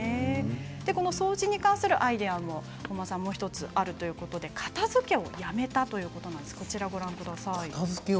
この掃除に関するアイデアももう１つあるということで片づけをやめたということもあります。